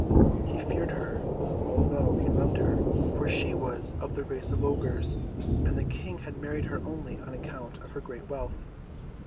He feared her, although he loved her, for she was of the race of Ogres, and the King had married her only on account of her great wealth.